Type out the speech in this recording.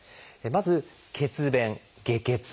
まず「血便・下血」。